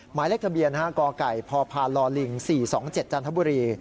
หมายเลขทะเบียนกไก่พพลลิง๔๒๗จันทบุรี